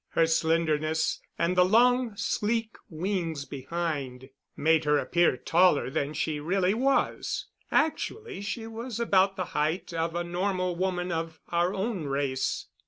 Her slenderness, and the long, sleek wings behind, made her appear taller than she really was; actually she was about the height of a normal woman of our own race.